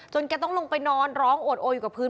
แกต้องลงไปนอนร้องโอดโออยู่กับพื้น